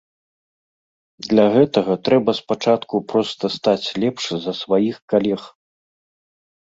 Для гэтага трэба спачатку проста стаць лепш за сваіх калег.